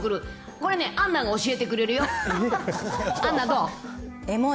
これ、アンナが教えてくれるよ、エモい。